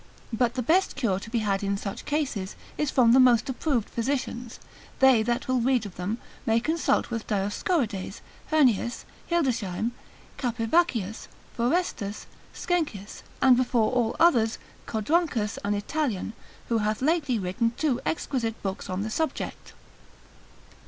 But the best cure to be had in such cases, is from the most approved physicians; they that will read of them, may consult with Dioscorides, lib. 6. c. 37, Heurnius, Hildesheim, Capivaccius, Forrestus, Sckenkius and before all others Codronchus an Italian, who hath lately written two exquisite books on the subject.